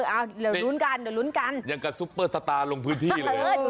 อ้าวเดี๋ยวรุ้นกันยังกับซุเปอร์สตาร์ลงพื้นที่เลย